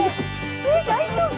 えっ大丈夫？